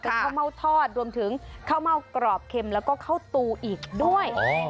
เป็นข้าวเม่าทอดรวมถึงข้าวเม่ากรอบเค็มแล้วก็ข้าวตูอีกด้วย